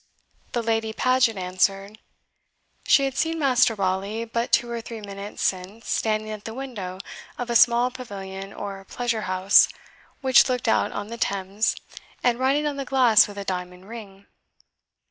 The Lady Paget answered, "She had seen Master Raleigh but two or three minutes since standing at the window of a small pavilion or pleasure house, which looked out on the Thames, and writing on the glass with a diamond ring."